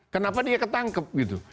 kenapa dia ketangkep